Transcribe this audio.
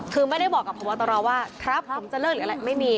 คือไม่ได้บอกกับพบตรว่าครับผมจะเลิกหรืออะไรไม่มี